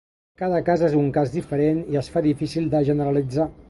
Cada casa és un cas diferent i es fa difícil de generalitzar.